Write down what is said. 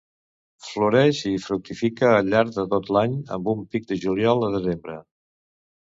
Floreix i fructifica al llarg de tot l'any amb un pic de juliol a desembre.